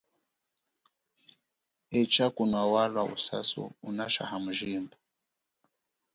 Etsha kunwa walwa usasu unashaha mujimba.